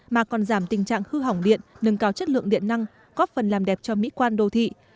mà còn giảm tình trạng hư hỏng điện nâng cao chất lượng điện năng góp phần làm đẹp cho mỹ quan đô thị